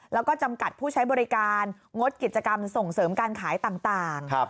แล้วก็จำกัดผู้ใช้บริการงดกิจกรรมส่งเสริมการขายต่าง